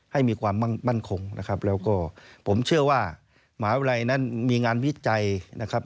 ให้มีความมั่นคงนะครับแล้วก็ผมเชื่อว่ามหาวิทยาลัยนั้นมีงานวิจัยนะครับ